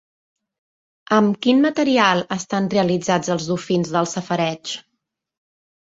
Amb quin material estan realitzats els dofins del safareig?